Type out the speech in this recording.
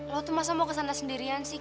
lo tuh masa mau ke sana sendirian sih